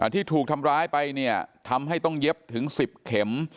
ที่ถูกทำร้ายไปเนี่ยทำให้ต้องเย็บถึง๑๐เข็ม